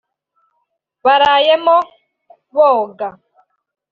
barayemo [boga]